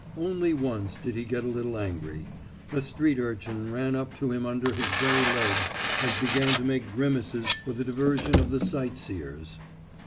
Only once did he get a little angry. A street urchin ran up to him under his very legs, and began to make grimaces for the diversion of the sight seers.